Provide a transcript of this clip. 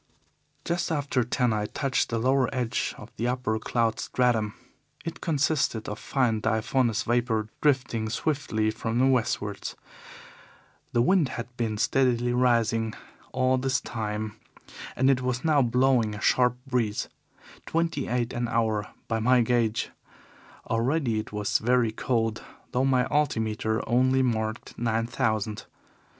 "Just after ten I touched the lower edge of the upper cloud stratum. It consisted of fine diaphanous vapour drifting swiftly from the westwards. The wind had been steadily rising all this time and it was now blowing a sharp breeze twenty eight an hour by my gauge. Already it was very cold, though my altimeter only marked nine thousand.